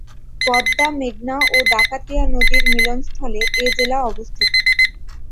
পদ্মা, মেঘনা ও ডাকাতিয়া নদীর মিলনস্থলে এ জেলা অবস্থিত।